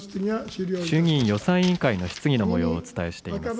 衆議院予算委員会の質疑のもようをお伝えしております。